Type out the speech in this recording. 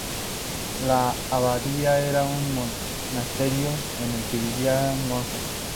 La abadía era un monasterio en el que vivían monjes.